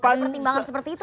ada pertimbangan seperti itu